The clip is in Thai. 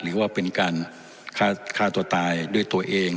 หรือว่าเป็นการฆ่าตัวตายด้วยตัวเอง